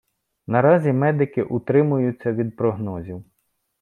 Наразі медики утримуються від прогнозів.